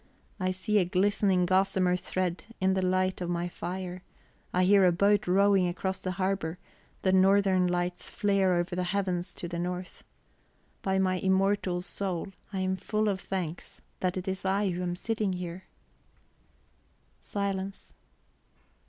I see a glistening gossamer thread in the light of my fire; I hear a boat rowing across the harbour; the northern lights flare over the heavens to the north. By my immortal soul, I am full of thanks that it is I who am sitting here!" Silence.